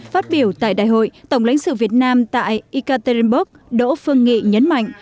phát biểu tại đại hội tổng lãnh sự việt nam tại ikaterinburg đỗ phương nghị nhấn mạnh